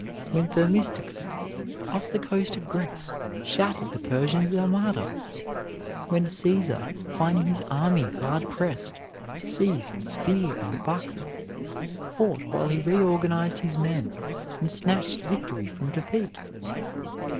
when Themistocles, off the coast of Greece, shattered the Persian's Armada? when Caesar, finding his army hard pressed, seized spear and buckler, fought while he reorganized his men, and snatched victory from defeat?